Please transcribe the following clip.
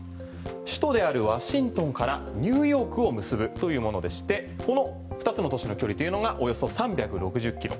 首都であるワシントンからニューヨークを結ぶというものでしてこの２つの都市の距離というのがおよそ３６０キロ。